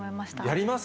やります？